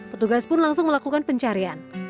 petugas pun langsung melakukan pencarian